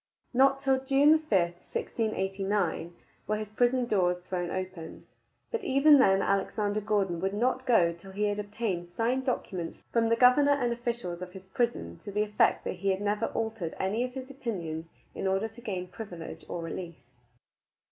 Not till June 5, 1689, were his prison doors thrown open, but even then Alexander Gordon would not go till he had obtained signed documents from the governor and officials of his prison to the effect that he had never altered any of his opinions in order to gain privilege or release.